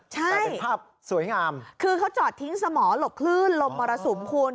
ใช่คือเขาจอดทิ้งสมองหลบคลื่นหลบประสุมคุณ